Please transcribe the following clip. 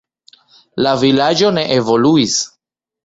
La vilaĝo ne evoluis.